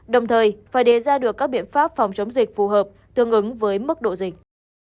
đồng thời phải đề ra được các biện pháp phòng chống dịch phù hợp tương ứng với mức độ dịch